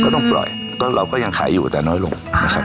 ต้องปล่อยต้องขายอยู่แต่น้อยลง